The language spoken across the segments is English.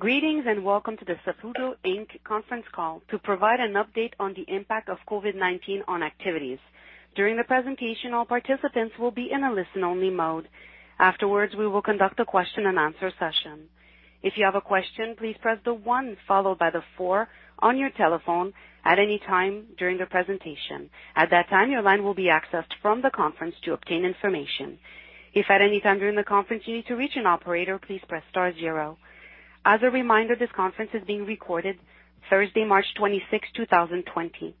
Greetings and welcome to the Saputo Inc conference call to provide an update on the impact of COVID-19 on activities. During the presentation, all participants will be in a listen-only mode. Afterwards, we will conduct a question and answer session. If you have a question, please press the one followed by the four on your telephone at any time during the presentation. At that time, your line will be accessed from the conference to obtain information. If at any time during the conference you need to reach an operator, please press star zero. As a reminder, this conference is being recorded Thursday, March 26, 2020.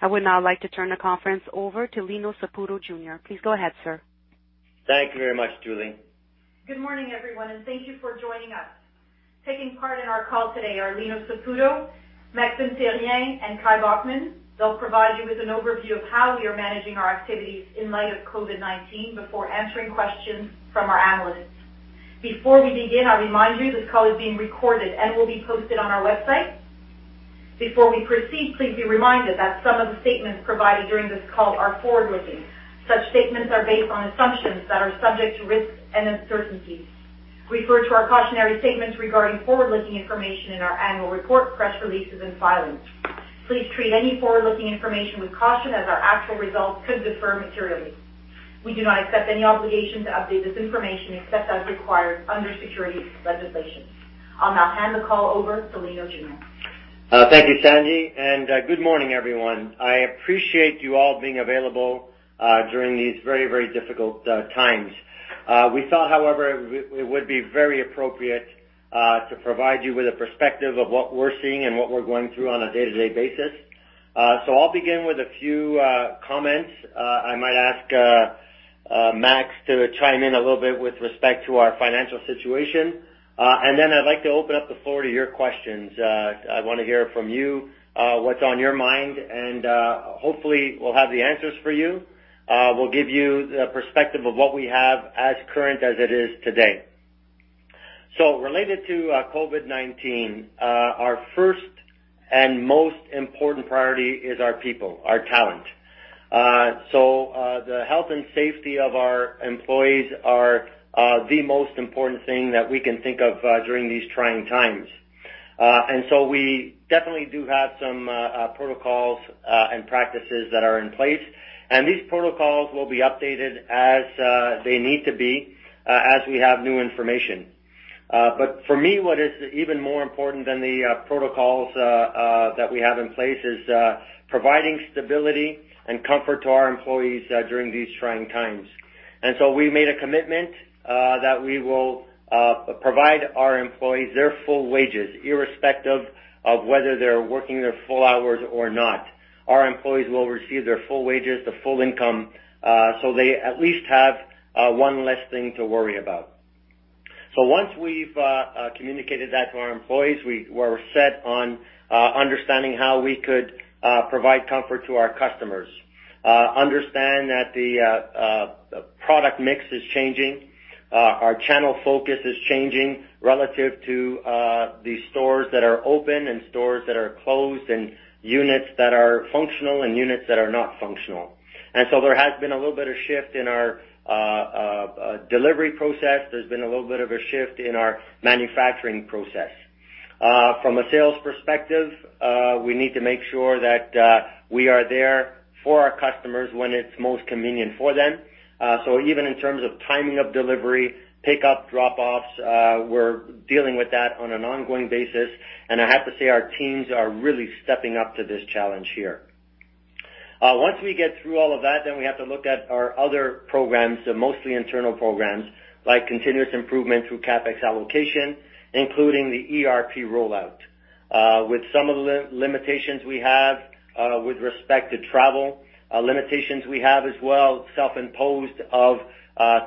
I would now like to turn the conference over to Lino A. Saputo. Please go ahead, sir. Thank you very much, Julie. Good morning everyone, and thank you for joining us. Taking part in our call today are Lino Saputo, Maxime Therrien, and Kai Bockmann. They'll provide you with an overview of how we are managing our activities in light of COVID-19 before answering questions from our analysts. Before we begin, I remind you this call is being recorded and will be posted on our website. Before we proceed, please be reminded that some of the statements provided during this call are forward-looking. Such statements are based on assumptions that are subject to risks and uncertainties. Refer to our cautionary statements regarding forward-looking information in our annual report, press releases, and filings. Please treat any forward-looking information with caution as our actual results could differ materially. We do not accept any obligation to update this information except as required under securities legislation. I'll now hand the call over to Lino Jr. Thank you, Sandy, and good morning everyone. I appreciate you all being available during these very difficult times. We thought, however, it would be very appropriate to provide you with a perspective of what we're seeing and what we're going through on a day-to-day basis. I'll begin with a few comments. I might ask Max to chime in a little bit with respect to our financial situation. I'd like to open up the floor to your questions. I want to hear from you, what's on your mind, and hopefully we'll have the answers for you. We'll give you the perspective of what we have as current as it is today. Related to COVID-19, our first and most important priority is our people, our talent. The health and safety of our employees are the most important thing that we can think of during these trying times. We definitely do have some protocols and practices that are in place, and these protocols will be updated as they need to be as we have new information. For me, what is even more important than the protocols that we have in place is providing stability and comfort to our employees during these trying times. We made a commitment that we will provide our employees their full wages, irrespective of whether they're working their full hours or not. Our employees will receive their full wages, the full income, so they at least have one less thing to worry about. Once we've communicated that to our employees, we were set on understanding how we could provide comfort to our customers. Understand that the product mix is changing. Our channel focus is changing relative to the stores that are open and stores that are closed, and units that are functional and units that are not functional. There has been a little bit of shift in our delivery process. There's been a little bit of a shift in our manufacturing process. From a sales perspective, we need to make sure that we are there for our customers when it's most convenient for them. Even in terms of timing of delivery, pickup, drop-offs, we're dealing with that on an ongoing basis, and I have to say, our teams are really stepping up to this challenge here. Once we get through all of that, we have to look at our other programs, mostly internal programs, like continuous improvement through CapEx allocation, including the ERP rollout. With some of the limitations we have with respect to travel, limitations we have as well, self-imposed of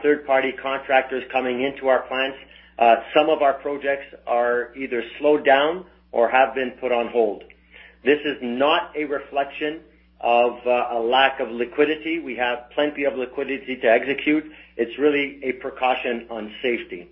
third-party contractors coming into our plants. Some of our projects are either slowed down or have been put on hold. This is not a reflection of a lack of liquidity. We have plenty of liquidity to execute. It's really a precaution on safety.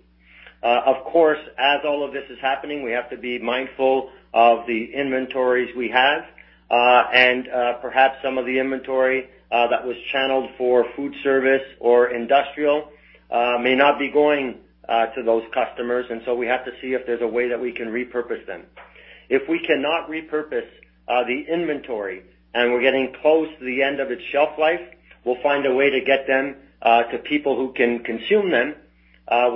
Of course, as all of this is happening, we have to be mindful of the inventories we have. Perhaps some of the inventory that was channeled for food service or industrial may not be going to those customers, and so we have to see if there's a way that we can repurpose them. If we cannot repurpose the inventory and we're getting close to the end of its shelf life, we'll find a way to get them to people who can consume them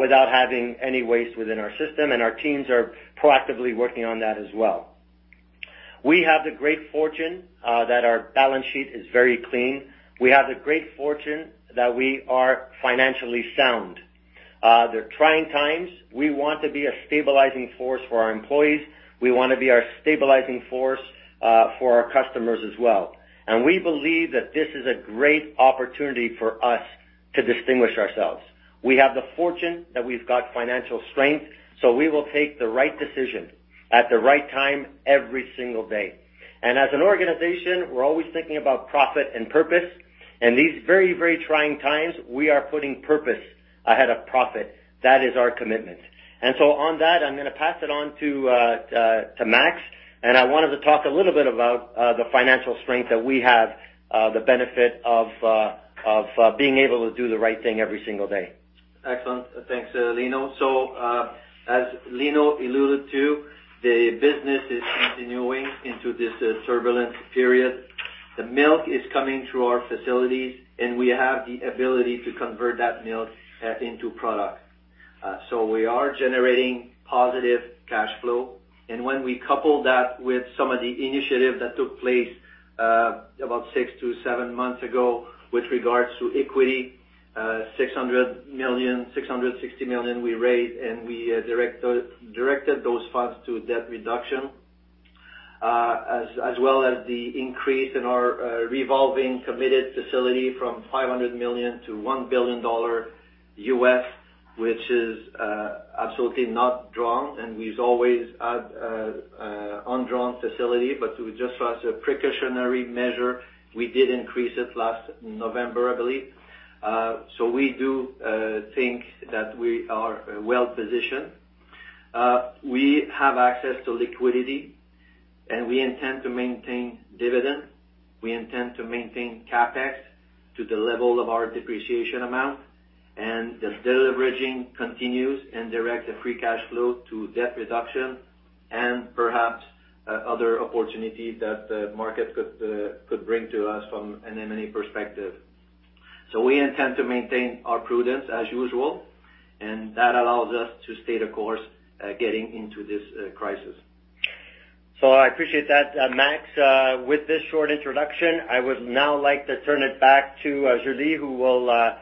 without having any waste within our system. Our teams are proactively working on that as well. We have the great fortune that our balance sheet is very clean. We have the great fortune that we are financially sound. They're trying times. We want to be a stabilizing force for our employees. We want to be a stabilizing force for our customers as well. We believe that this is a great opportunity for us to distinguish ourselves. We have the fortune that we've got financial strength, so we will take the right decision at the right time every single day. As an organization, we're always thinking about profit and purpose. In these very trying times, we are putting purpose ahead of profit. That is our commitment. On that, I'm going to pass it on to Max, and I want him to talk a little bit about the financial strength that we have. The benefit of being able to do the right thing every single day. Excellent. Thanks, Lino. As Lino alluded to, the business is continuing into this turbulent period. The milk is coming through our facilities, and we have the ability to convert that milk into product. We are generating positive cash flow. When we couple that with some of the initiatives that took place about six - seven months ago with regards to equity, 660 million we raised, and we directed those funds to debt reduction, as well as the increase in our revolving committed facility from $500 million - $1 billion, which is absolutely not drawn, and we've always had undrawn facility. Just as a precautionary measure, we did increase it last November, I believe. We do think that we are well-positioned. We have access to liquidity, and we intend to maintain dividends. We intend to maintain CapEx to the level of our depreciation amount. The de-leveraging continues and direct the free cash flow to debt reduction and perhaps other opportunities that the market could bring to us from an M&A perspective. We intend to maintain our prudence as usual, and that allows us to stay the course getting into this crisis. I appreciate that, Max. With this short introduction, I would now like to turn it back to Julie, who will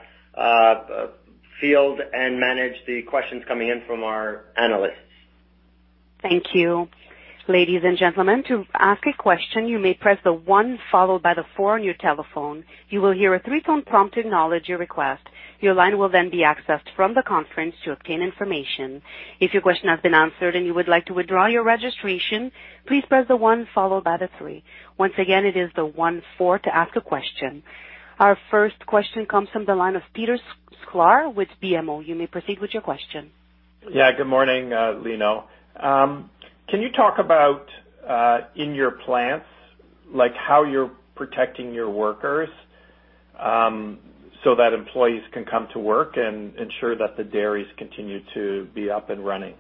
field and manage the questions coming in from our analysts. Thank you. Ladies and gentlemen, to ask a question, you may press the one followed by the four on your telephone. You will hear a three-tone prompt acknowledge your request. Your line will then be accessed from the conference to obtain information. If your question has been answered and you would like to withdraw your registration, please press the one followed by the three. Once again, it is the one, four to ask a question. Our first question comes from the line of Peter Sklar with BMO. You may proceed with your question. Yeah, good morning, Lino. Can you talk about, in your plants, how you're protecting your workers so that employees can come to work and ensure that the dairies continue to be up and running?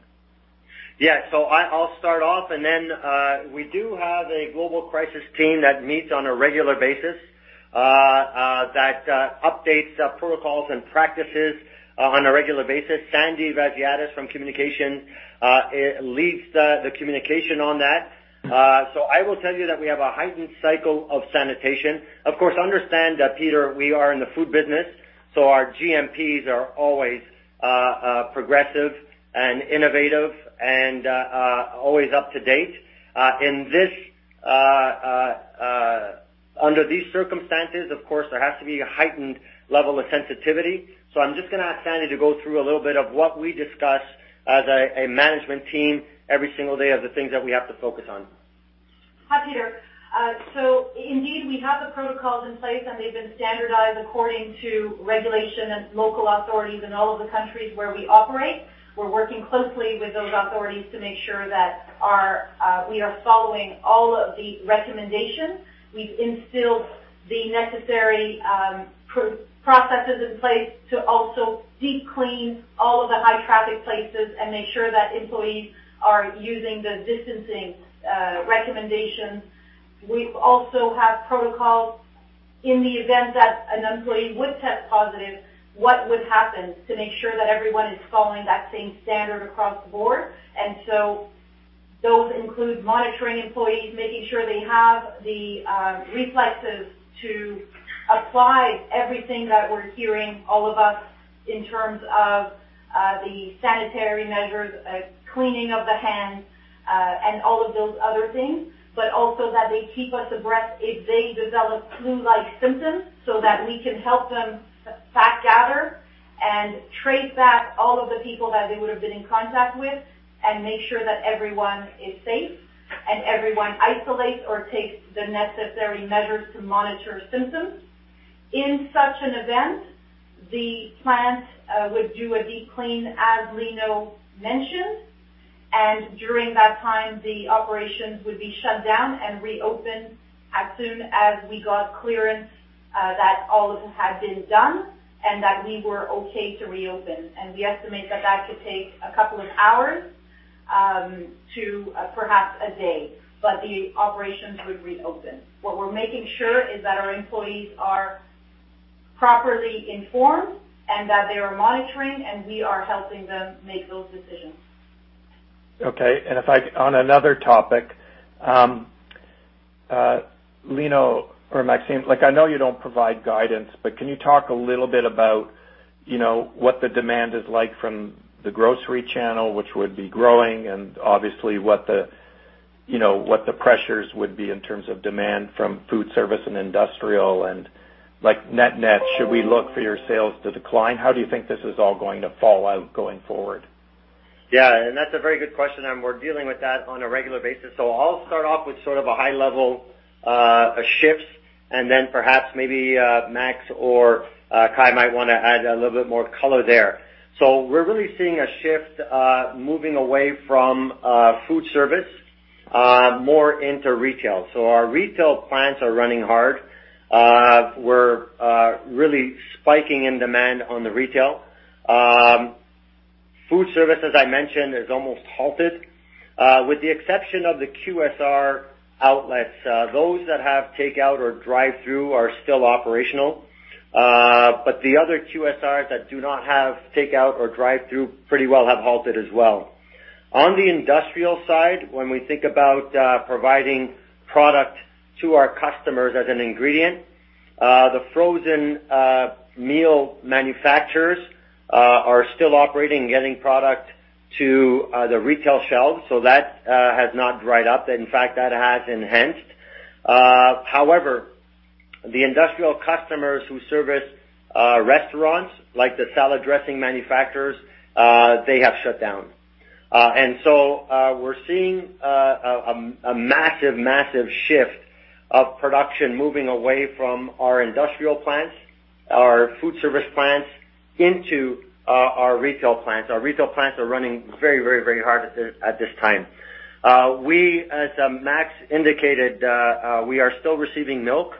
Yeah. I'll start off. We do have a global crisis team that meets on a regular basis, that updates protocols and practices on a regular basis. Sandy Vassiadis from Communication leads the communication on that. I will tell you that we have a heightened cycle of sanitation. Of course, understand that, Peter, we are in the food business. Our GMPs are always progressive and innovative and always up to date. Under these circumstances, of course, there has to be a heightened level of sensitivity. I'm just going to ask Sandy to go through a little bit of what we discuss as a management team every single day of the things that we have to focus on. Hi, Peter. Indeed, we have the protocols in place, and they've been standardized according to regulation and local authorities in all of the countries where we operate. We're working closely with those authorities to make sure that we are following all of the recommendations. We've instilled the necessary processes in place to also deep clean all of the high-traffic places and make sure that employees are using the distancing recommendations. We also have protocols in the event that an employee would test positive, what would happen to make sure that everyone is following that same standard across the board. Those include monitoring employees, making sure they have the reflexes to apply everything that we're hearing, all of us, in terms of the sanitary measures, cleaning of the hands, and all of those other things, but also that they keep us abreast if they develop flu-like symptoms so that we can help them fact gather and trace back all of the people that they would have been in contact with and make sure that everyone is safe and everyone isolates or takes the necessary measures to monitor symptoms. In such an event, the plant would do a deep clean, as Lino mentioned. During that time, the operations would be shut down and reopen as soon as we got clearance that all had been done and that we were okay to reopen. We estimate that that could take a couple of hours to perhaps a day. The operations would reopen. What we're making sure is that our employees are properly informed and that they are monitoring. We are helping them make those decisions. Okay. On another topic, Lino or Maxine, I know you don't provide guidance, but can you talk a little bit about what the demand is like from the grocery channel, which would be growing, and obviously, what the pressures would be in terms of demand from food service and industrial and like net net, should we look for your sales to decline? How do you think this is all going to fall out going forward? Yeah, that's a very good question, and we're dealing with that on a regular basis. I'll start off with sort of a high level of shifts, and then perhaps maybe Max or Kai might want to add a little bit more color there. We're really seeing a shift, moving away from food service, more into retail. Our retail plants are running hard. We're really spiking in demand on the retail. Food service, as I mentioned, is almost halted with the exception of the QSR outlets. Those that have takeout or drive-thru are still operational. The other QSRs that do not have takeout or drive-thru pretty well have halted as well. On the industrial side, when we think about providing product to our customers as an ingredient, the frozen meal manufacturers are still operating and getting product to the retail shelves. That has not dried up. In fact, that has enhanced. The industrial customers who service restaurants like the salad dressing manufacturers, they have shut down. We're seeing a massive shift of production moving away from our industrial plants, our food service plants, into our retail plants. Our retail plants are running very hard at this time. As Max indicated, we are still receiving milk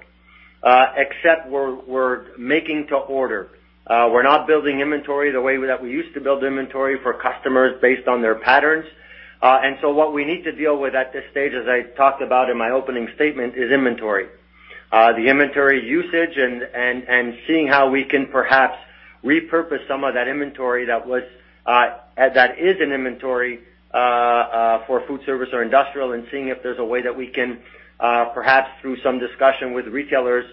except we're making to order. We're not building inventory the way that we used to build inventory for customers based on their patterns. What we need to deal with at this stage, as I talked about in my opening statement, is inventory. The inventory usage and seeing how we can perhaps repurpose some of that inventory that is in inventory for food service or industrial and seeing if there's a way that we can perhaps through some discussion with retailers,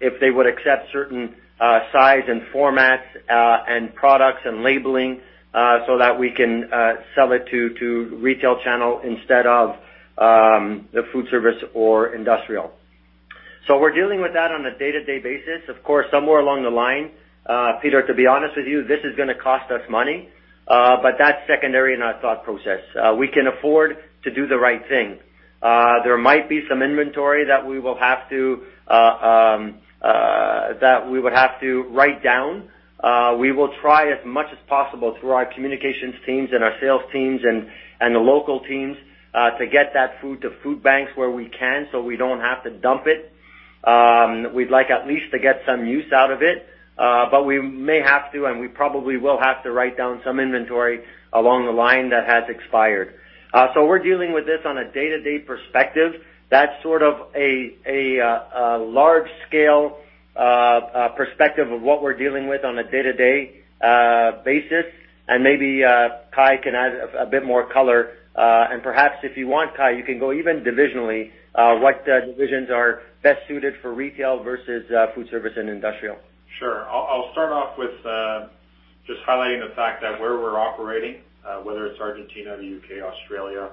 if they would accept certain size and formats, and products and labeling, that we can sell it to retail channel instead of the food service or industrial. We're dealing with that on a day-to-day basis. Of course, somewhere along the line, Peter, to be honest with you, this is going to cost us money, but that's secondary in our thought process. We can afford to do the right thing. There might be some inventory that we would have to write down. We will try as much as possible through our communications teams and our sales teams and the local teams, to get that food to food banks where we can so we don't have to dump it. We'd like at least to get some use out of it, but we may have to, and we probably will have to write down some inventory along the line that has expired. We're dealing with this on a day-to-day perspective. That's sort of a large scale perspective of what we're dealing with on a day-to-day basis. Maybe Kai can add a bit more color. Perhaps if you want, Kai, you can go even divisionally, what divisions are best suited for retail versus food service and industrial? Sure. I'll start off with just highlighting the fact that where we're operating, whether it's Argentina, the U.K., Australia,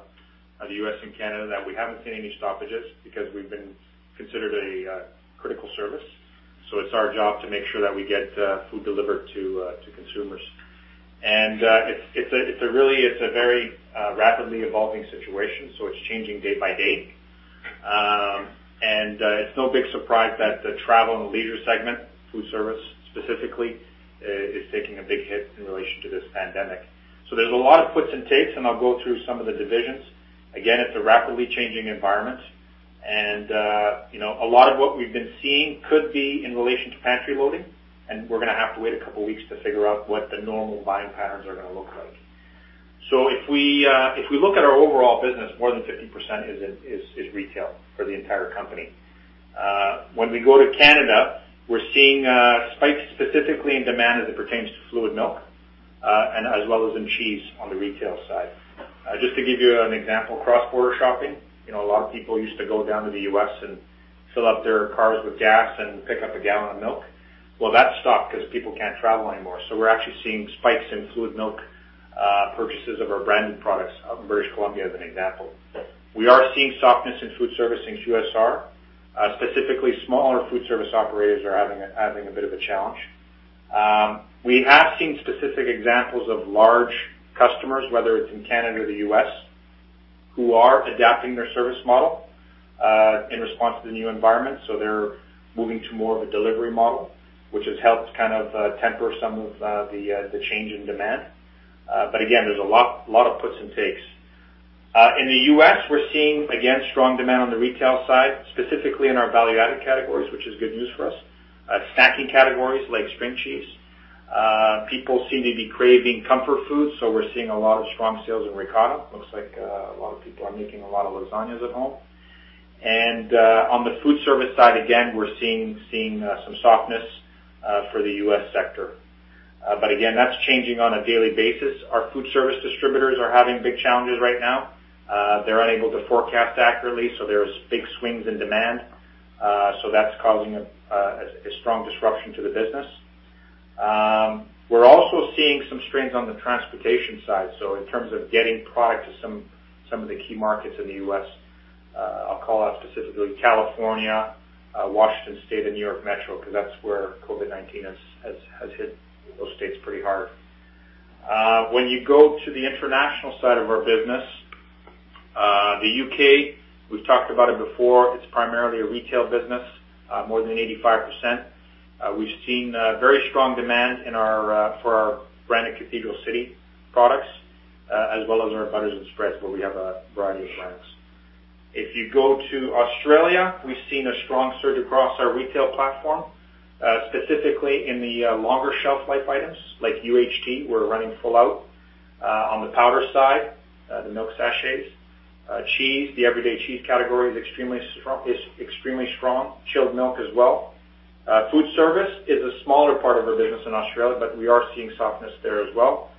the U.S. and Canada, that we haven't seen any stoppages because we've been considered a critical service. It's our job to make sure that we get food delivered to consumers. It's a very rapidly evolving situation, so it's changing day by day. It's no big surprise that the travel and leisure segment, food service specifically, is taking a big hit in relation to this pandemic. There's a lot of puts and takes, and I'll go through some of the divisions. Again, it's a rapidly changing environment and a lot of what we've been seeing could be in relation to pantry loading, and we're going to have to wait a couple of weeks to figure out what the normal buying patterns are going to look like. If we look at our overall business, more than 50% is retail for the entire company. When we go to Canada, we're seeing spikes specifically in demand as it pertains to fluid milk, and as well as in cheese on the retail side. Just to give you an example, cross-border shopping, a lot of people used to go down to the U.S. and fill up their cars with gas and pick up a gallon of milk. Well, that stopped because people can't travel anymore. We're actually seeing spikes in fluid milk purchases of our branded products out in British Columbia as an example. We are seeing softness in food service in QSR. Specifically, smaller food service operators are having a bit of a challenge. We have seen specific examples of large customers, whether it's in Canada or the U.S., who are adapting their service model in response to the new environment. They're moving to more of a delivery model, which has helped kind of temper some of the change in demand. Again, there's a lot of puts and takes. In the U.S., we're seeing, again, strong demand on the retail side, specifically in our value-added categories, which is good news for us. Snacking categories like string cheese. People seem to be craving comfort food, so we're seeing a lot of strong sales in ricotta. Looks like a lot of people are making a lot of lasagnas at home. On the food service side, again, we're seeing some softness for the U.S. sector. Again, that's changing on a daily basis. Our food service distributors are having big challenges right now. They're unable to forecast accurately. There's big swings in demand. That's causing a strong disruption to the business. We're also seeing some strains on the transportation side. In terms of getting product to some of the key markets in the U.S., I'll call out specifically California, Washington State, and New York Metro, because that's where COVID-19 has hit those states pretty hard. When you go to the international side of our business, the U.K., we've talked about it before, it's primarily a retail business, more than 85%. We've seen very strong demand for our branded Cathedral City products. As well as our butters and spreads, where we have a variety of brands. If you go to Australia, we've seen a strong surge across our retail platform, specifically in the longer shelf life items, like UHT, we're running full out. On the powder side, the milk sachets. Cheese, the everyday cheese category is extremely strong. Chilled milk as well. Food service is a smaller part of our business in Australia, but we are seeing softness there as well.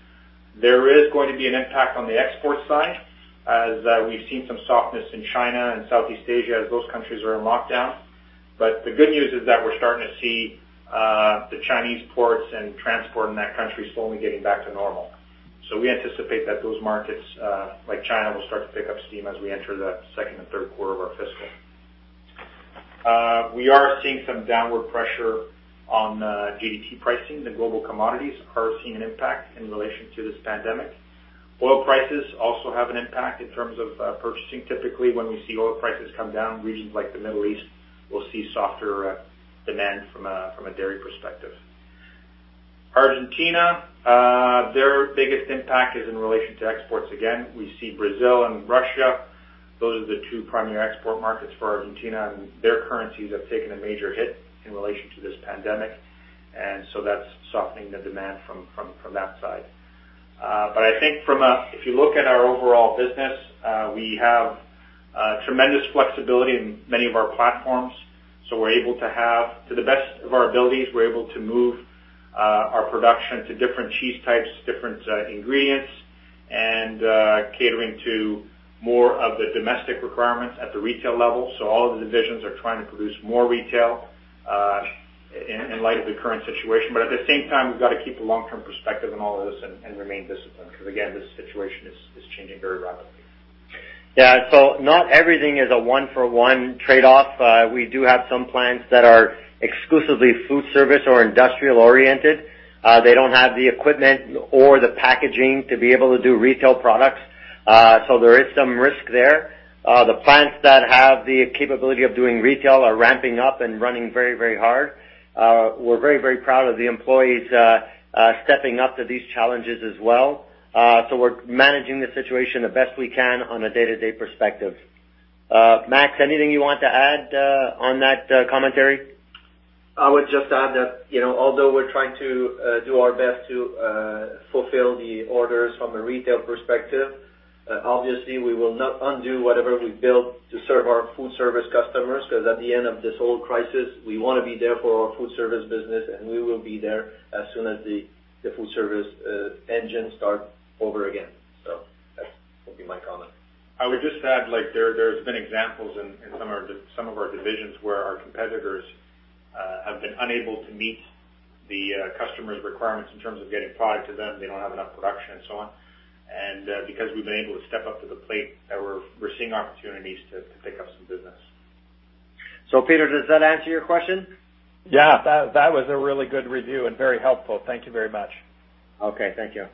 There is going to be an impact on the export side, as we've seen some softness in China and Southeast Asia as those countries are in lockdown. The good news is that we're starting to see the Chinese ports and transport in that country slowly getting back to normal. We anticipate that those markets, like China, will start to pick up steam as we enter the second and Q3 of our fiscal. We are seeing some downward pressure on GDT pricing. The global commodities are seeing an impact in relation to this pandemic. Oil prices also have an impact in terms of purchasing. Typically, when we see oil prices come down, regions like the Middle East will see softer demand from a dairy perspective. Argentina, their biggest impact is in relation to exports again. We see Brazil and Russia, those are the two primary export markets for Argentina, and their currencies have taken a major hit in relation to this pandemic, so that's softening the demand from that side. I think if you look at our overall business, we have tremendous flexibility in many of our platforms. To the best of our abilities, we're able to move our production to different cheese types, different ingredients, and catering to more of the domestic requirements at the retail level. All of the divisions are trying to produce more retail in light of the current situation. At the same time, we've got to keep a long-term perspective on all of this and remain disciplined, because again, this situation is changing very rapidly. Yeah. Not everything is a one-for-one trade-off. We do have some plants that are exclusively food service or industrial-oriented. They don't have the equipment or the packaging to be able to do retail products. There is some risk there. The plants that have the capability of doing retail are ramping up and running very hard. We're very proud of the employees stepping up to these challenges as well. We're managing the situation the best we can on a day-to-day perspective. Max, anything you want to add on that commentary? I would just add that although we're trying to do our best to fulfill the orders from a retail perspective, obviously, we will not undo whatever we've built to serve our food service customers, because at the end of this whole crisis, we want to be there for our food service business, and we will be there as soon as the food service engine starts over again. That would be my comment. I would just add, there's been examples in some of our divisions where our competitors have been unable to meet the customers' requirements in terms of getting product to them. They don't have enough production and so on. Because we've been able to step up to the plate, we're seeing opportunities to pick up some business. Peter, does that answer your question? That was a really good review and very helpful. Thank you very much. Okay. Thank you.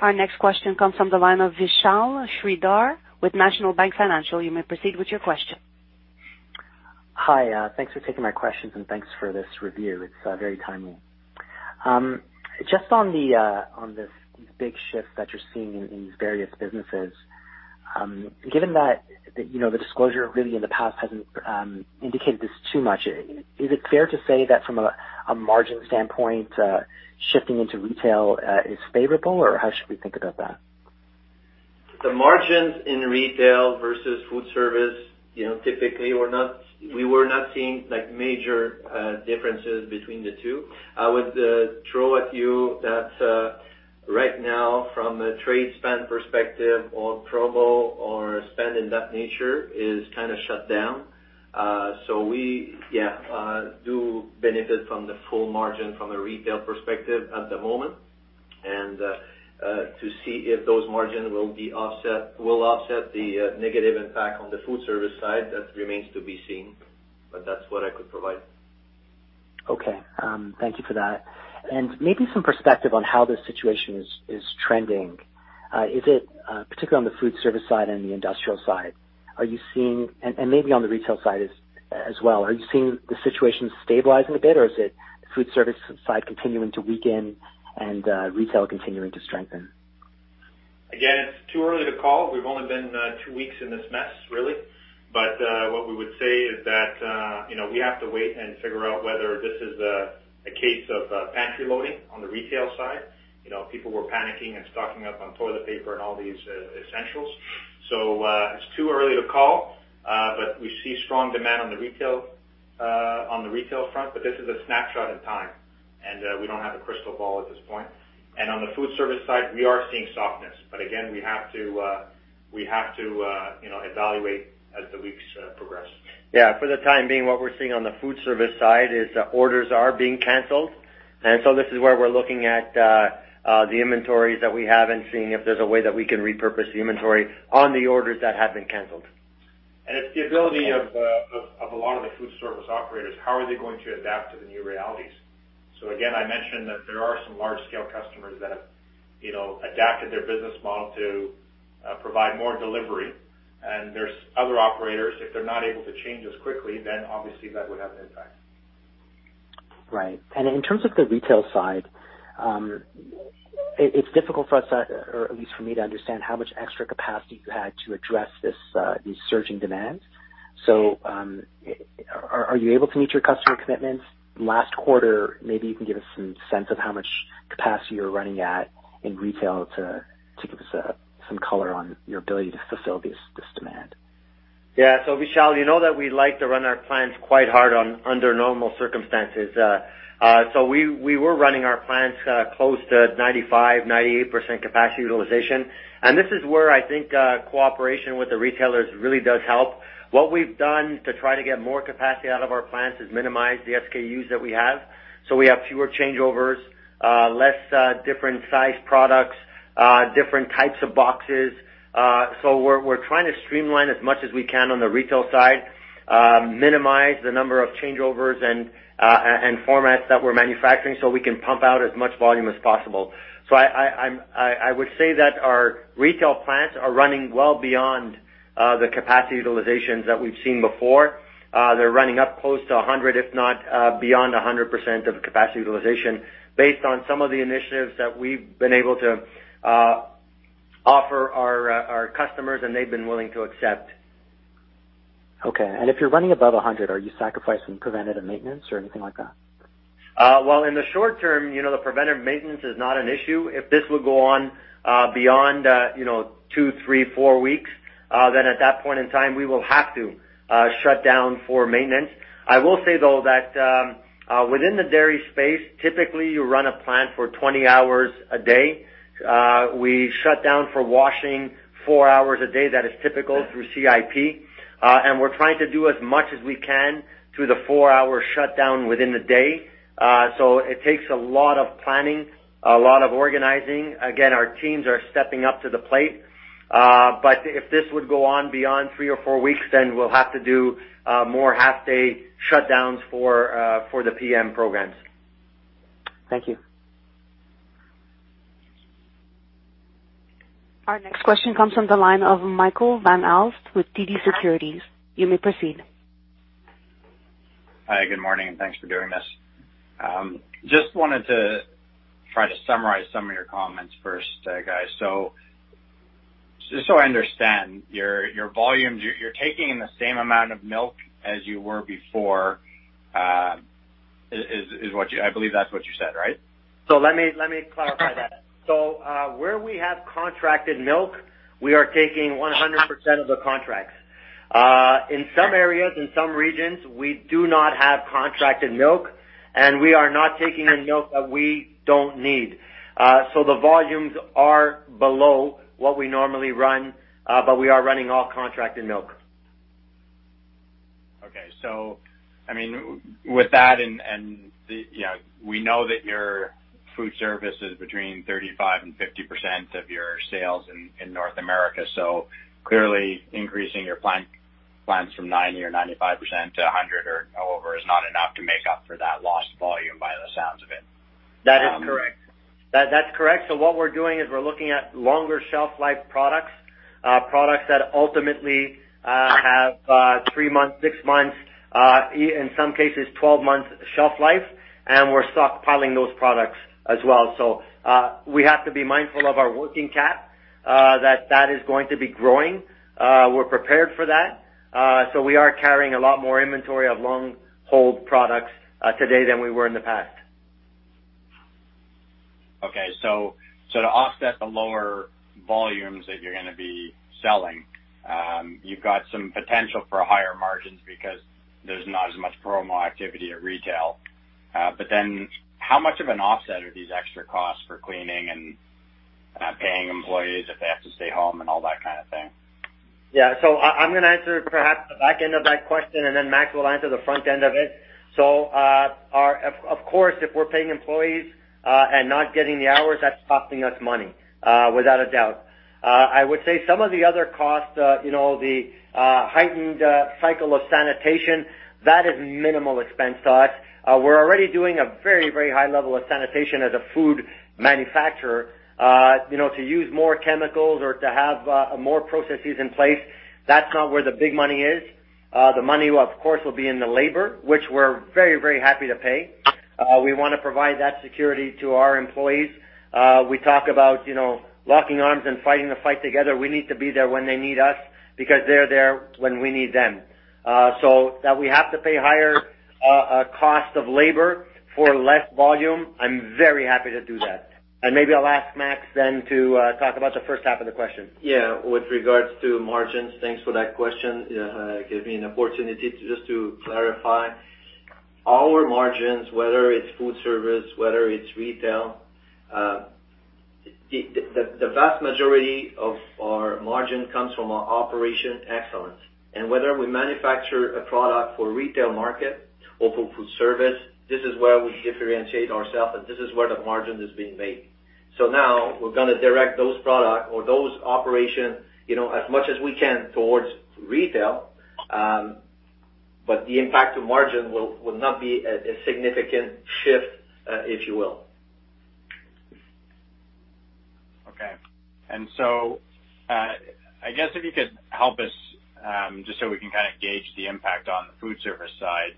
Our next question comes from the line of Vishal Shreedhar with National Bank Financial. You may proceed with your question. Hi. Thanks for taking my questions and thanks for this review. It's very timely. Just on this big shift that you're seeing in these various businesses, given that the disclosure really in the past hasn't indicated this too much, is it fair to say that from a margin standpoint, shifting into retail is favorable, or how should we think about that? The margins in retail versus food service, typically, we were not seeing major differences between the two. I would throw at you that right now, from a trade spend perspective or promo or spend in that nature is kind of shut down. We, yeah, do benefit from the full margin from a retail perspective at the moment. To see if those margin will offset the negative impact on the food service side, that remains to be seen. That's what I could provide. Okay. Thank you for that. Maybe some perspective on how this situation is trending. Particularly on the food service side and the industrial side, and maybe on the retail side as well, are you seeing the situation stabilizing a bit, or is it the food service side continuing to weaken and retail continuing to strengthen? It's too early to call. We've only been two weeks in this mess, really. What we would say is that we have to wait and figure out whether this is a case of pantry loading on the retail side. People were panicking and stocking up on toilet paper and all these essentials. It's too early to call, but we see strong demand on the retail front, but this is a snapshot in time, and we don't have a crystal ball at this point. On the food service side, we are seeing softness, but again, we have to evaluate as the weeks progress. Yeah. For the time being, what we're seeing on the food service side is that orders are being canceled. This is where we're looking at the inventories that we have and seeing if there's a way that we can repurpose the inventory on the orders that have been canceled. It's the ability of a lot of the food service operators, how are they going to adapt to the new realities? Again, I mentioned that there are some large-scale customers that have adapted their business model to provide more delivery. There's other operators, if they're not able to change as quickly, then obviously that would have an impact. Right. In terms of the retail side, it's difficult for us, or at least for me, to understand how much extra capacity you had to address these surging demands. Are you able to meet your customer commitments? Last quarter, maybe you can give us some sense of how much capacity you're running at in retail to give us some color on your ability to fulfill this demand. Yeah. Vishal, you know that we like to run our plants quite hard under normal circumstances. We were running our plants close to 95%, 98% capacity utilization. This is where I think cooperation with the retailers really does help. What we've done to try to get more capacity out of our plants is minimize the SKUs that we have. We have fewer changeovers, less different size products, different types of boxes. We're trying to streamline as much as we can on the retail side, minimize the number of changeovers and formats that we're manufacturing so we can pump out as much volume as possible. I would say that our retail plants are running well beyond the capacity utilizations that we've seen before. They're running up close to 100, if not, beyond 100% of capacity utilization based on some of the initiatives that we've been able to offer our customers, and they've been willing to accept. Okay. If you're running above 100, are you sacrificing preventative maintenance or anything like that? Well, in the short term, the preventive maintenance is not an issue. If this would go on beyond two, three, four weeks, then at that point in time, we will have to shut down for maintenance. I will say, though, that within the dairy space, typically, you run a plant for 20 hours a day. We shut down for washing four hours a day, that is typical through CIP. We're trying to do as much as we can through the four-hour shutdown within the day. It takes a lot of planning, a lot of organizing. Again, our teams are stepping up to the plate. If this would go on beyond three or four weeks, then we'll have to do more half-day shutdowns for the PM programs. Thank you. Our next question comes from the line of Michael Van Aelst with TD Cowen. You may proceed. Hi, good morning, and thanks for doing this. Just wanted to try to summarize some of your comments first, guys. Just so I understand, your volumes, you're taking in the same amount of milk as you were before, I believe that's what you said, right? Let me clarify that. Where we have contracted milk, we are taking 100% of the contracts. In some areas, in some regions, we do not have contracted milk, and we are not taking any milk that we don't need. The volumes are below what we normally run, but we are running all contracted milk. Okay. With that, and we know that your food service is between 35% and 50% of your sales in North America. Clearly increasing your plant from 90% or 95%- 100% or over is not enough to make up for that lost volume, by the sounds of it. That is correct. That's correct. What we're doing is we're looking at longer shelf life products that ultimately have three months, six months, in some cases, 12 months shelf life, and we're stockpiling those products as well. We have to be mindful of our working cap. That is going to be growing. We're prepared for that. We are carrying a lot more inventory of long hold products today than we were in the past. Okay. To offset the lower volumes that you're going to be selling, you've got some potential for higher margins because there's not as much promo activity at retail. How much of an offset are these extra costs for cleaning and paying employees if they have to stay home and all that kind of thing? Yeah. I'm going to answer perhaps the back end of that question, and then Max will answer the front end of it. Of course, if we're paying employees and not getting the hours, that's costing us money. Without a doubt. I would say some of the other costs the heightened cycle of sanitation, that is minimal expense to us. We're already doing a very, very high level of sanitation as a food manufacturer. To use more chemicals or to have more processes in place, that's not where the big money is. The money, of course, will be in the labor, which we're very, very happy to pay. We want to provide that security to our employees. We talk about locking arms and fighting the fight together. We need to be there when they need us because they're there when we need them. That we have to pay higher cost of labor for less volume, I'm very happy to do that. Maybe I'll ask Max then to talk about the first half of the question. Yeah. With regards to margins, thanks for that question. Gives me an opportunity just to clarify. Our margins, whether it's food service, whether it's retail the vast majority of our margin comes from our operation excellence. Whether we manufacture a product for retail market or for food service, this is where we differentiate ourselves, and this is where the margin is being made. Now we're going to direct those product or those operations, as much as we can towards retail. The impact to margin will not be a significant shift if you will. I guess if you could help us, just so we can gauge the impact on the food service side.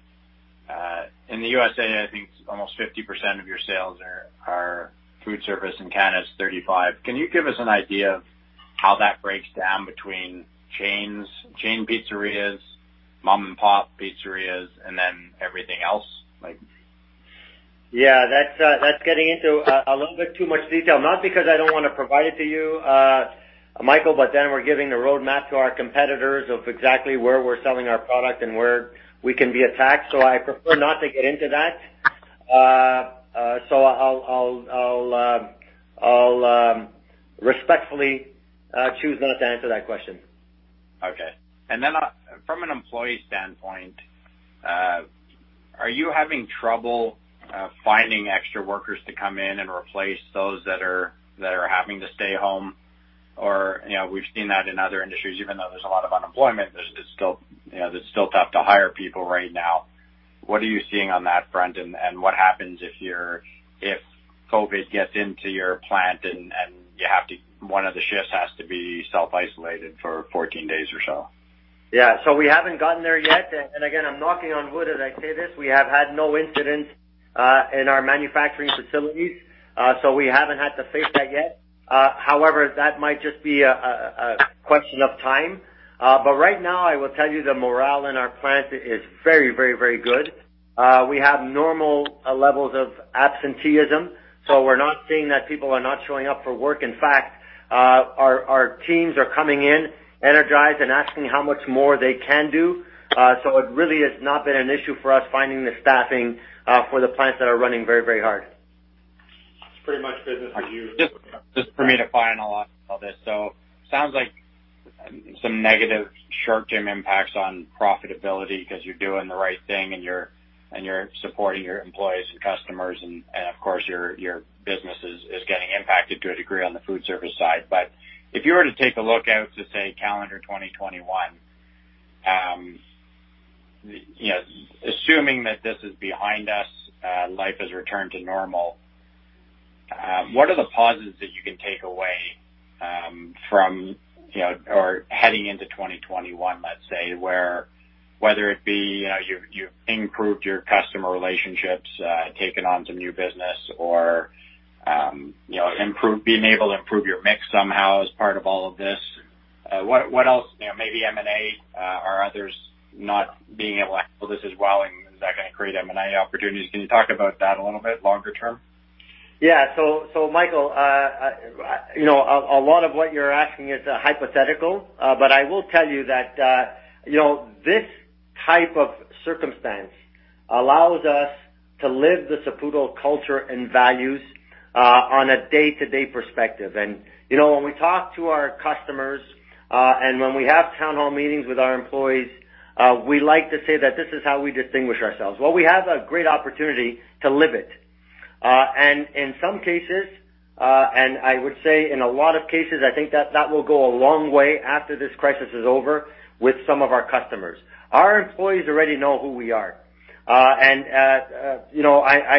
In the U.S.A., I think almost 50% of your sales are food service, in Canada it's 35%. Can you give us an idea of how that breaks down between chains, chain pizzerias, mom-and-pop pizzerias, and then everything else? Yeah, that's getting into a little bit too much detail. Not because I don't want to provide it to you, Michael, but then we're giving the roadmap to our competitors of exactly where we're selling our product and where we can be attacked. I prefer not to get into that. I'll respectfully choose not to answer that question. Okay. From an employee standpoint, are you having trouble finding extra workers to come in and replace those that are having to stay home? We've seen that in other industries, even though there's a lot of unemployment, it's still tough to hire people right now. What are you seeing on that front, and what happens if COVID-19 gets into your plant and one of the shifts has to be self-isolated for 14 days or so? Yeah. We haven't gotten there yet. Again, I'm knocking on wood as I say this. We have had no incidents in our manufacturing facilities, so we haven't had to face that yet. That might just be a question of time. Right now, I will tell you the morale in our plant is very good. We have normal levels of absenteeism, so we're not seeing that people are not showing up for work. In fact, our teams are coming in energized and asking how much more they can do. It really has not been an issue for us finding the staffing for the plants that are running very hard. It's pretty much business as usual. Just for me to finalize all this. Sounds like some negative short-term impacts on profitability because you're doing the right thing and you're supporting your employees and customers and of course, your business is getting impacted to a degree on the food service side. If you were to take a look out to, say, calendar 2021, assuming that this is behind us, life has returned to normal, what are the positives that you can take away heading into 2021, let's say, where whether it be you've improved your customer relationships, taken on some new business, or being able to improve your mix somehow as part of all of this? What else, maybe M&A, are others not being able to handle this as well, and is that going to create M&A opportunities? Can you talk about that a little bit longer term? Michael, a lot of what you're asking is hypothetical. I will tell you that this type of circumstance allows us to live the Saputo culture and values on a day-to-day perspective. When we talk to our customers, and when we have town hall meetings with our employees, we like to say that this is how we distinguish ourselves. Well, we have a great opportunity to live it. In some cases, and I would say in a lot of cases, I think that will go a long way after this crisis is over with some of our customers. Our employees already know who we are. I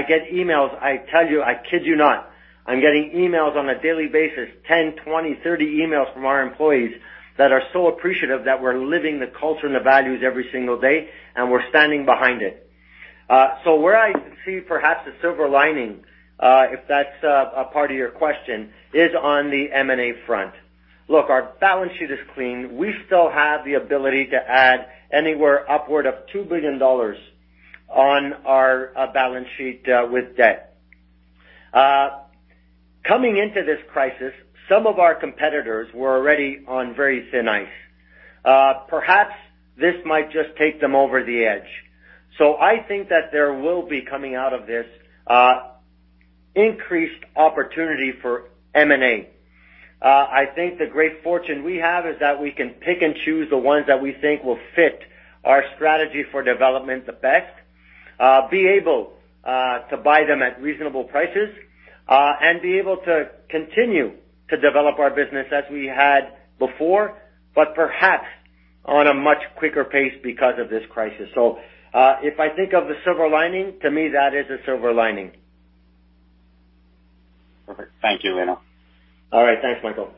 get emails, I tell you, I kid you not, I'm getting emails on a daily basis, 10, 20, 30 emails from our employees that are so appreciative that we're living the culture and the values every single day, and we're standing behind it. Where I see perhaps a silver lining, if that's a part of your question, is on the M&A front. Look, our balance sheet is clean. We still have the ability to add anywhere upward of 2 billion dollars on our balance sheet with debt. Coming into this crisis, some of our competitors were already on very thin ice. Perhaps this might just take them over the edge. I think that there will be, coming out of this, increased opportunity for M&A. I think the great fortune we have is that we can pick and choose the ones that we think will fit our strategy for development the best, be able to buy them at reasonable prices, and be able to continue to develop our business as we had before, but perhaps on a much quicker pace because of this crisis. If I think of the silver lining, to me, that is a silver lining. Perfect. Thank you, Lino. All right. Thanks, Michael.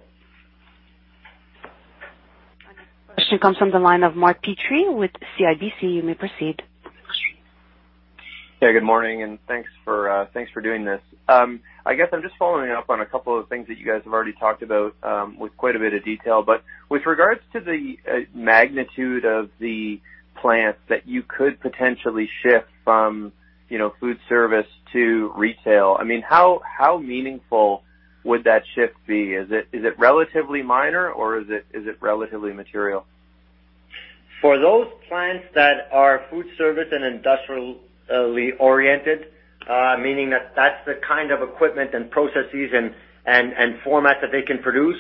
Next question comes from the line of Mark Petrie with CIBC. You may proceed. Good morning, and thanks for doing this. I guess I'm just following up on a couple of things that you guys have already talked about with quite a bit of detail. With regards to the magnitude of the plants that you could potentially shift from food service to retail, how meaningful would that shift be? Is it relatively minor or is it relatively material? For those plants that are food service and industrially oriented, meaning that that's the kind of equipment and processes and format that they can produce,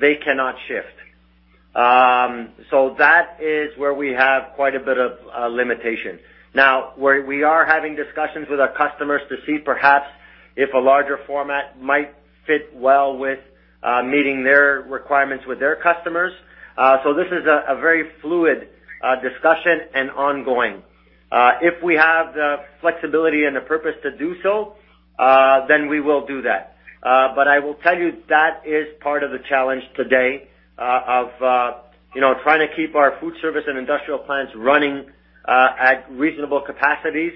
they cannot shift. That is where we have quite a bit of limitation. Now, we are having discussions with our customers to see perhaps if a larger format might fit well with meeting their requirements with their customers. This is a very fluid discussion and ongoing. If we have the flexibility and the purpose to do so, then we will do that. I will tell you that is part of the challenge today of trying to keep our food service and industrial plants running at reasonable capacities,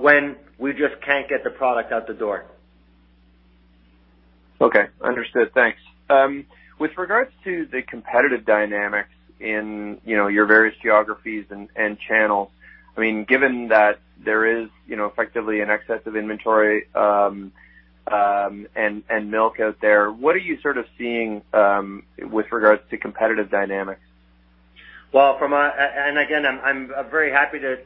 when we just can't get the product out the door. Okay, understood. Thanks. With regards to the competitive dynamics in your various geographies and channels, given that there is effectively an excess of inventory and milk out there, what are you seeing with regards to competitive dynamics? Well, and again, I'm very happy to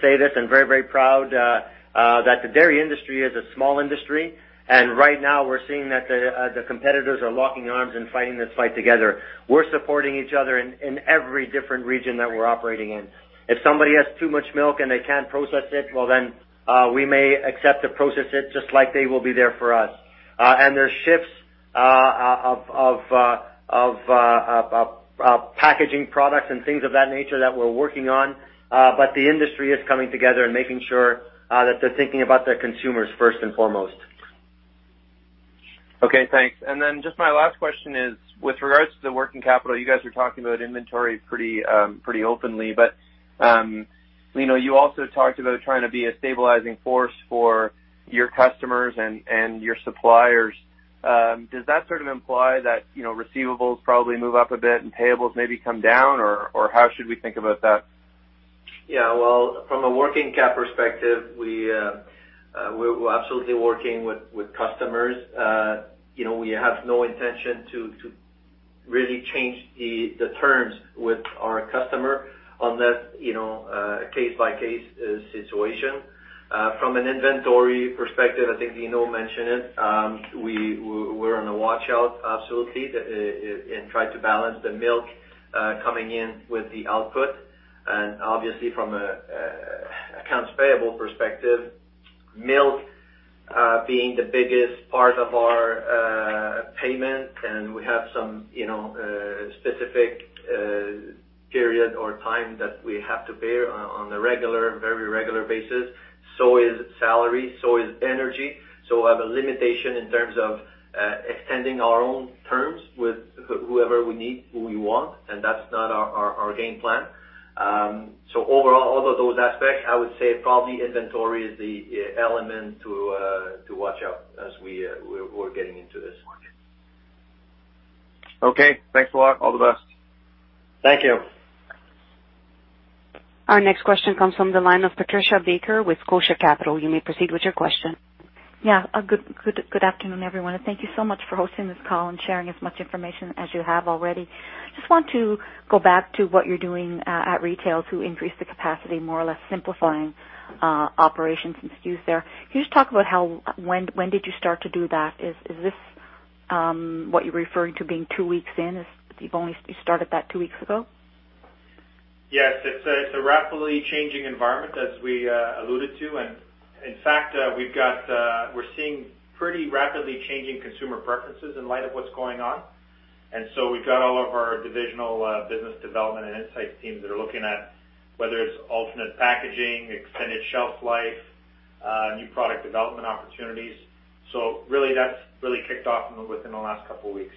say this and very, very proud that the dairy industry is a small industry, and right now we're seeing that the competitors are locking arms and fighting this fight together. We're supporting each other in every different region that we're operating in. If somebody has too much milk and they can't process it, well then we may accept to process it just like they will be there for us. There's shifts of packaging products and things of that nature that we're working on. The industry is coming together and making sure that they're thinking about their consumers first and foremost. Okay, thanks. Just my last question is, with regards to the working capital, you guys are talking about inventory pretty openly, but you also talked about trying to be a stabilizing force for your customers and your suppliers. Does that sort of imply that receivables probably move up a bit and payables maybe come down, or how should we think about that? Well, from a working cap perspective, we're absolutely working with customers. We have no intention to really change the terms with our customer on that case by case situation. From an inventory perspective, I think Lino mentioned it, we're on a watch-out absolutely, and try to balance the milk coming in with the output. Obviously from accounts payable perspective, milk being the biggest part of our payment and we have some specific period or time that we have to pay on a very regular basis. Is salary, so is energy. We have a limitation in terms of extending our own terms with whoever we need, who we want, and that's not our game plan. Overall, of all those aspects, I would say probably inventory is the element to watch out as we're getting into this market. Okay, thanks a lot. All the best. Thank you. Our next question comes from the line of Patricia Baker with Scotia Capital. You may proceed with your question. Yeah. Good afternoon, everyone, and thank you so much for hosting this call and sharing as much information as you have already. Just want to go back to what you're doing at retail to increase the capacity, more or less simplifying operations and SKUs there. Can you just talk about when did you start to do that? Is this what you're referring to being two weeks in, is you started that two weeks ago? Yes, it's a rapidly changing environment as we alluded to. In fact, we're seeing pretty rapidly changing consumer preferences in light of what's going on. We've got all of our divisional business development and insight teams that are looking at whether it's alternate packaging, extended shelf life, new product development opportunities. Really that's really kicked off within the last couple of weeks.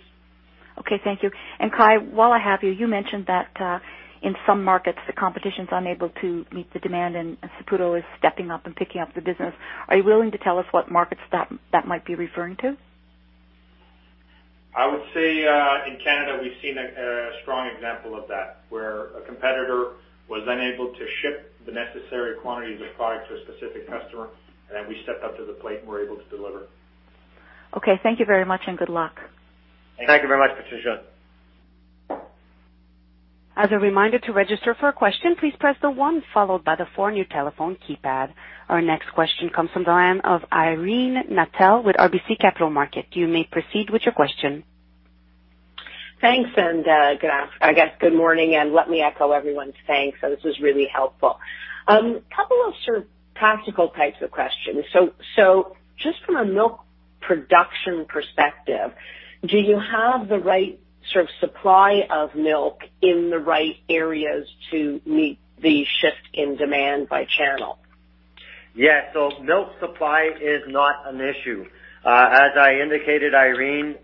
Okay, thank you. Kai, while I have you mentioned that in some markets, the competition's unable to meet the demand and Saputo is stepping up and picking up the business. Are you willing to tell us what markets that might be referring to? I would say, in Canada, we've seen a strong example of that, where a competitor was unable to ship the necessary quantities of product to a specific customer, and then we stepped up to the plate and were able to deliver. Okay, thank you very much and good luck. Thank you very much, Patricia. As a reminder to register for a question, please press the one followed by the four on your telephone keypad. Our next question comes from the line of Irene Nattel with RBC Capital Markets. You may proceed with your question. Thanks. I guess good morning, and let me echo everyone's thanks. This was really helpful. Couple of sort of practical types of questions. Just from a milk production perspective, do you have the right sort of supply of milk in the right areas to meet the shift in demand by channel? Yeah. Milk supply is not an issue. As I indicated, Irene,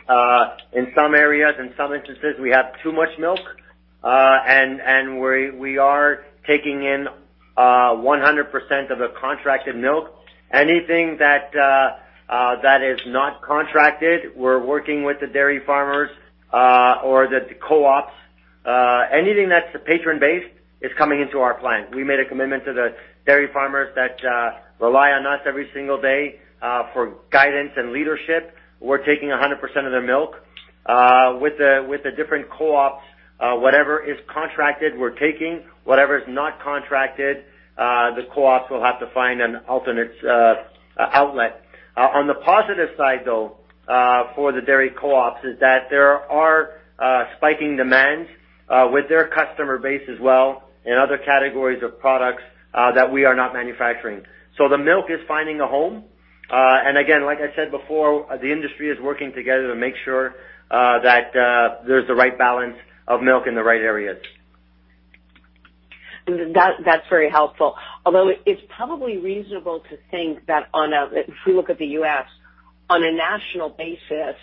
in some areas, in some instances, we have too much milk, and we are taking in 100% of the contracted milk. Anything that is not contracted, we're working with the dairy farmers or the co-ops. Anything that's patron-based is coming into our plant. We made a commitment to the dairy farmers that rely on us every single day for guidance and leadership. We're taking 100% of their milk. With the different co-ops, whatever is contracted, we're taking. Whatever is not contracted, the co-ops will have to find an alternate outlet. On the positive side, though, for the dairy co-ops is that there are spiking demands with their customer base as well in other categories of products that we are not manufacturing. The milk is finding a home. Again, like I said before, the industry is working together to make sure that there's the right balance of milk in the right areas. That's very helpful. Although it's probably reasonable to think that if you look at the U.S., on a national basis,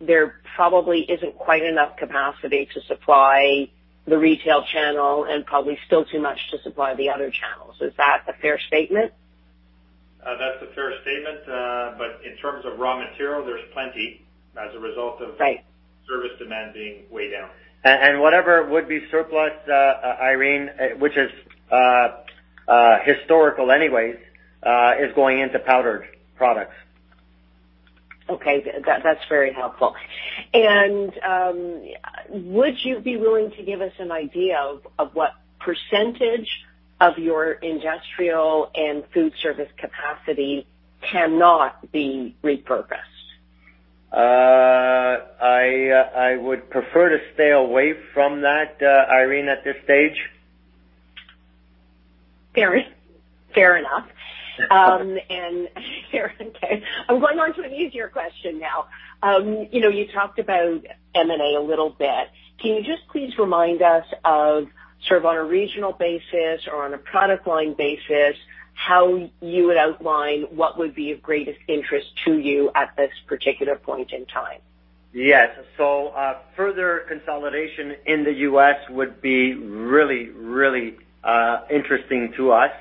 there probably isn't quite enough capacity to supply the retail channel and probably still too much to supply the other channels. Is that a fair statement? That's a fair statement. In terms of raw material, there's plenty as a result of. Right service demand being way down. Whatever would be surplus, Irene, which is historical anyway, is going into powdered products. Okay. That's very helpful. Would you be willing to give us an idea of what % of your industrial and food service capacity cannot be repurposed? I would prefer to stay away from that, Irene, at this stage. Fair enough. Fair. Okay, I'm going on to an easier question now. You talked about M&A a little bit. Can you just please remind us of, sort of on a regional basis or on a product line basis, how you would outline what would be of greatest interest to you at this particular point in time? Yes. Further consolidation in the U.S. would be really interesting to us.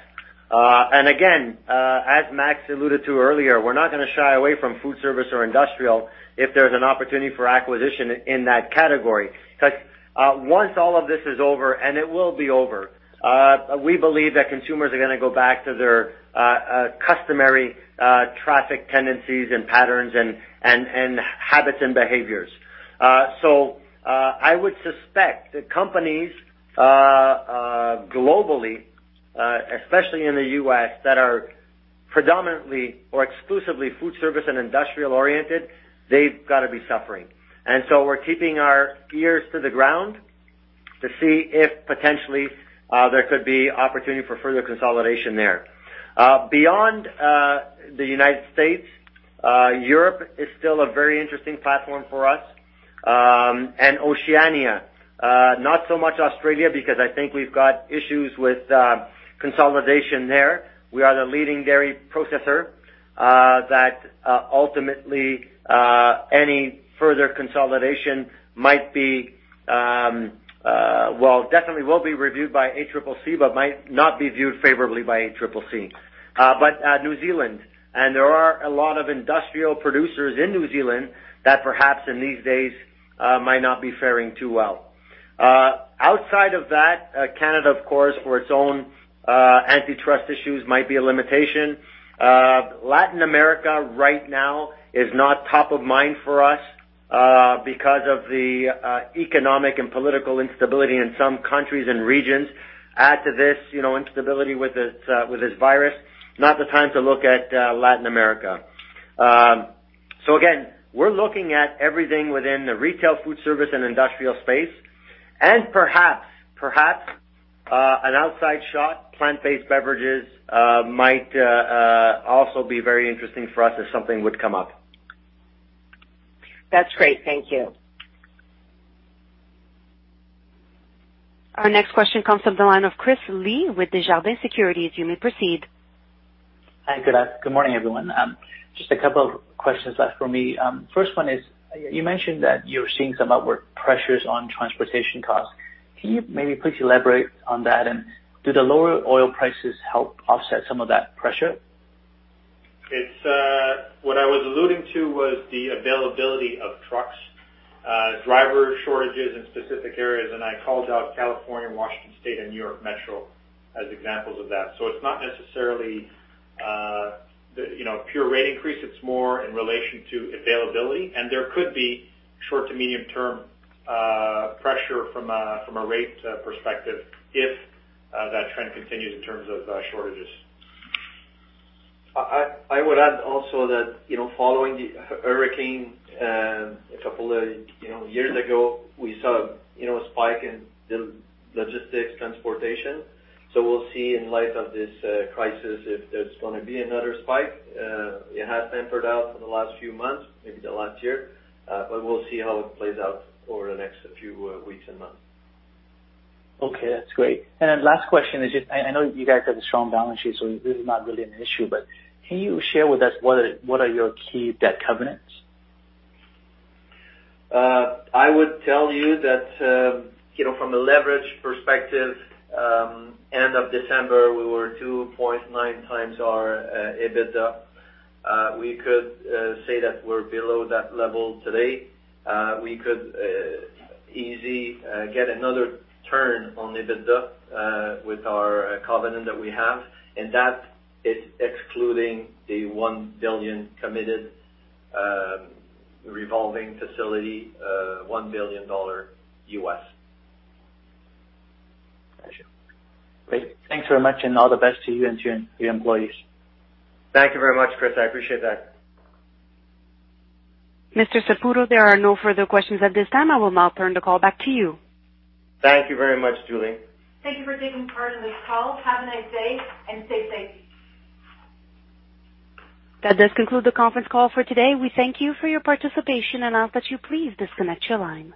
Again, as Max alluded to earlier, we're not going to shy away from food service or industrial if there's an opportunity for acquisition in that category. Once all of this is over, and it will be over, we believe that consumers are going to go back to their customary traffic tendencies and patterns and habits and behaviors. I would suspect that companies globally, especially in the U.S., that are predominantly or exclusively food service and industrial oriented, they've got to be suffering. We're keeping our ears to the ground to see if potentially there could be opportunity for further consolidation there. Beyond the United States, Europe is still a very interesting platform for us, and Oceania. Not so much Australia, because I think we've got issues with consolidation there. We are the leading dairy processor that ultimately any further consolidation might be, definitely will be reviewed by ACCC, but might not be viewed favorably by ACCC. New Zealand, and there are a lot of industrial producers in New Zealand that perhaps in these days might not be faring too well. Outside of that, Canada, of course, for its own antitrust issues might be a limitation. Latin America right now is not top of mind for us because of the economic and political instability in some countries and regions. Add to this instability with this virus. Not the time to look at Latin America. Again, we're looking at everything within the retail food service and industrial space. Perhaps an outside shot, plant-based beverages might also be very interesting for us if something would come up. That's great. Thank you. Our next question comes from the line of Chris Li with Desjardins Securities. You may proceed. Hi, good morning everyone. Just a couple of questions for me. First one is, you mentioned that you're seeing some upward pressures on transportation costs. Can you maybe please elaborate on that, and do the lower oil prices help offset some of that pressure? What I was alluding to was the availability of trucks, driver shortages in specific areas, and I called out California, Washington State, and New York Metro as examples of that. It's not necessarily a pure rate increase, it's more in relation to availability, and there could be short to medium-term pressure from a rate perspective if that trend continues in terms of shortages. I would add also that following the hurricane a couple of years ago, we saw a spike in logistics transportation. We'll see in light of this crisis if there's going to be another spike. It has tempered out for the last few months, maybe the last year, but we'll see how it plays out over the next few weeks and months. Okay, that's great. Last question is just, I know you guys have a strong balance sheet, so this is not really an issue, but can you share with us what are your key debt covenants? I would tell you that from a leverage perspective, end of December, we were 2.9x our EBITDA. We could say that we're below that level today. We could easily get another turn on EBITDA with our covenant that we have, and that is excluding the $1 billion committed revolving facility, $1 billion U.S. Got you. Great. Thanks very much, and all the best to you and to your employees. Thank you very much, Chris. I appreciate that. Mr. Saputo, there are no further questions at this time. I will now turn the call back to you. Thank you very much, Julie. Thank you for taking part in this call. Have a nice day and stay safe. That does conclude the conference call for today. We thank you for your participation and ask that you please disconnect your lines.